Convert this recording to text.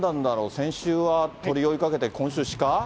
先週は鳥を追いかけて、今週、鹿？